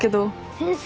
先生